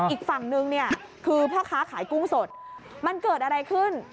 อีกฝั่งนึงเนี่ยคือพ่อค้าขายกุ้งสดมันเกิดอะไรขึ้น